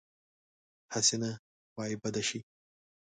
هسې نه خوا یې بده شي.